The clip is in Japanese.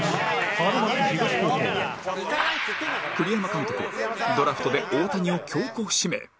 栗山監督はドラフトで大谷を強行指名